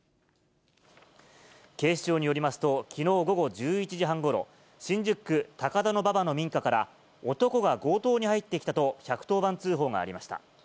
警視庁によりますと、きのう午後１１時半ごろ、新宿区高田馬場の民家から、男が強盗に入ってきたと１１０番通報がありました。